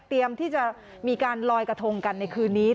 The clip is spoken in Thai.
ที่จะมีการลอยกระทงกันในคืนนี้